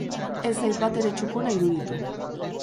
Ez zait batere txukuna iruditu.